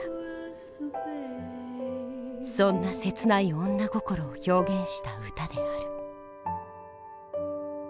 そんな切ない女心を表現した歌である。